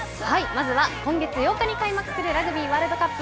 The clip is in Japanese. まずは今月８日に開幕するラグビーワールドカップ